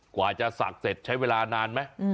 กว่าจะศักดิ์เสร็จใช้เวลานานไหม